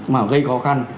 mà gây khó khăn